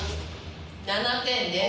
７点です。